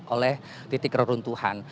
oleh titik reruntuhan